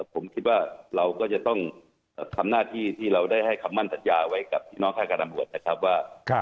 ผมคิดว่าเราก็จะต้องทำหน้าที่ที่เราได้ให้คำมั่นสัญญาไว้กับพี่น้องค่ายการตำรวจนะครับว่า